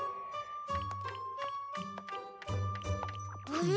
あれ？